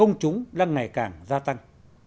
vì vậy công chúng đang ngày càng gia tăng